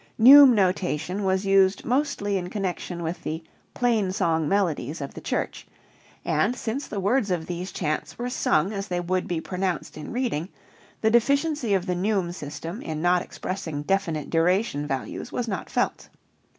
Neume notation was used mostly in connection with the "plain song melodies" of the Church, and since the words of these chants were sung as they would be pronounced in reading, the deficiency of the neume system in not expressing definite duration values was not felt.